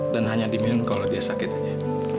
dan hanya di minum kalau dia sakit aja